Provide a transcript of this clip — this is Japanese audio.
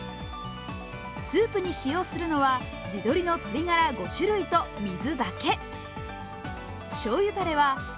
スープに使用するのは地鶏の鶏ガラ５種類と水だけ。